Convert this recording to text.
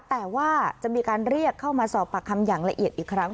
แต่ว่าจะมีการเรียกเข้ามาสอบปากคำอย่างละเอียดอีกครั้ง